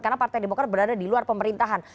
karena partai demokrat berada di luar pemerintahan